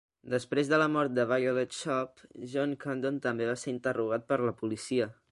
Després de la mort de Violet Sharp, John Condon també va ser interrogat per la policia.